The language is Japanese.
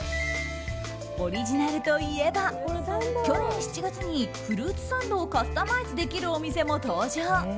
オリジナルといえば去年７月にフルーツサンドをカスタマイズできるお店も登場。